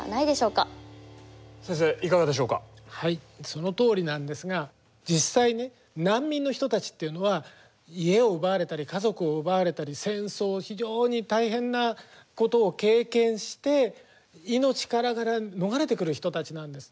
そのとおりなんですが実際ね難民の人たちっていうのは家を奪われたり家族を奪われたり戦争非常に大変なことを経験して命からがら逃れてくる人たちなんです。